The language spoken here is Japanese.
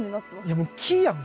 いやもう木やん！